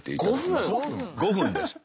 ５分です。